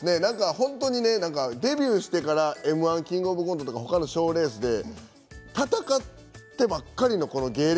デビューしてからＭ−１キングオブコントとか他の賞レースで闘ってばかりの芸歴